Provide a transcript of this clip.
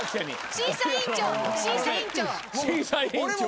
審査員長審査員長。